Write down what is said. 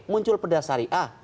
muncul perda syariah